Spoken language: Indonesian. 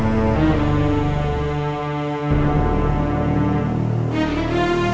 sampai jumpa lagi